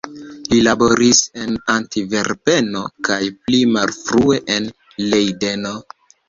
Li laboris en Antverpeno kaj pli malfrue en Lejdeno.